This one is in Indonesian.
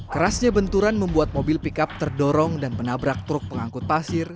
kerasnya benturan membuat mobil pickup terdorong dan menabrak truk pengangkut pasir